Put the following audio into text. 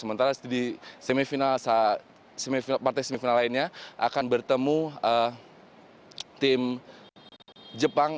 sementara di semifinal partai semifinal lainnya akan bertemu tim jepang